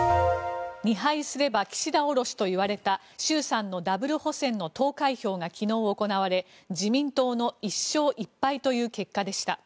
２敗すれば岸田降ろしといわれた衆参のダブル補選の投開票が昨日行われ自民党の１勝１敗という結果でした。